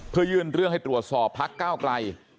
เพื่อยื่นเรื่องให้ตรวจสอบพักก้าวไกล